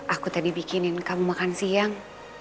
aku tadi bikinin kamu makan siang